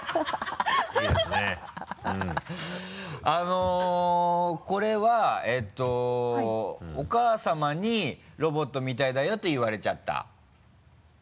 あのこれはえっとお母さまに「ロボットみたいだよ」と言われちゃった？